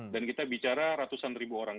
dan kita bicara ratusan ribu orang